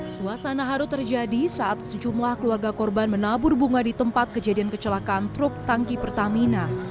suasana haru terjadi saat sejumlah keluarga korban menabur bunga di tempat kejadian kecelakaan truk tangki pertamina